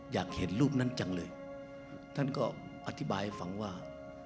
อยากเห็นรูปนั้นจังเลยท่านก็อธิบายให้ฟังว่า